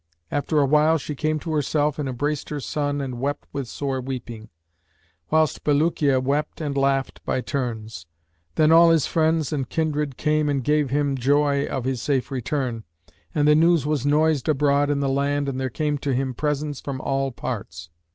After awhile she came to herself and embraced her son and wept with sore weeping, whilst Bulukiya wept and laughed by turns. Then all his friends and kindred came and gave him joy of his safe return, and the news was noised abroad in the land and there came to him presents from all parts.